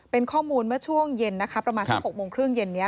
เป็นข้อมูลเมื่อช่วงเย็นนะคะประมาณสัก๖โมงครึ่งเย็นนี้